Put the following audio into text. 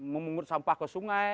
memungut sampah ke sungai